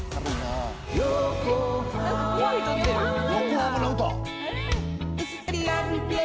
横浜の歌！